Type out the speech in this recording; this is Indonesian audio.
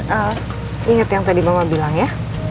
al inget yang tadi mama bilang ya